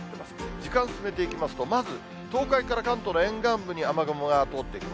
時間進めていきますと、まず東海から関東の沿岸部に雨雲が通っていきます。